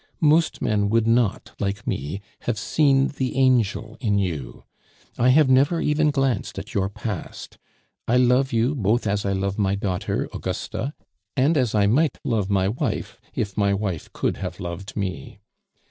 Most men would not, like me, have seen the angel in you; I have never even glanced at your past. I love you both as I love my daughter, Augusta, and as I might love my wife, if my wife could have loved me.